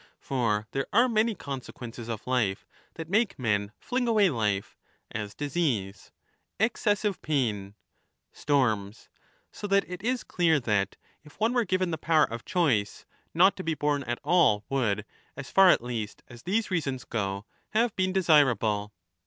For there are many consequences of life that make men fling away life, as disease, excessive pain, storms, so that it is clear that, if one 20 were given the power of choice, not to be bom at all would, as far at least as these reasons go, have been desirable.